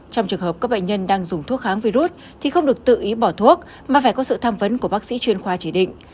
trong trường hợp các bệnh nhân đang dùng thuốc kháng virus thì không được tự ý bỏ thuốc mà phải có sự tham vấn của bác sĩ chuyên khoa chỉ định